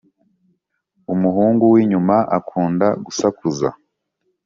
umuhungu winyuma akunda gusakuza